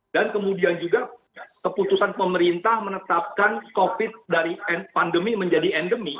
dan kemudian juga keputusan pemerintah menetapkan covid dari pandemi menjadi endemi